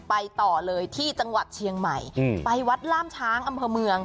ไปต่อเลยที่จังหวัดเชียงใหม่ไปวัดล่ามช้างอำเภอเมือง